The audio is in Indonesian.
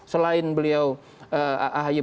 selain beliau ahaye